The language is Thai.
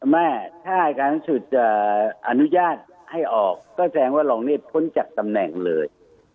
ไม่ถ้าอายการสูงสุดจะอนุญาตให้ออกก็แสดงว่ารองเนี่ยพ้นจากตำแหน่งเลย